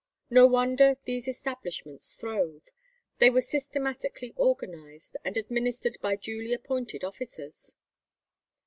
No wonder these establishments throve. They were systematically organized, and administered by duly appointed officers.